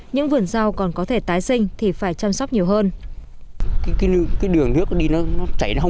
những vườn rau còn có thể tái sinh thì phải chăm sóc nhiều hơn